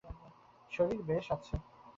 শরীর বেশ আছে।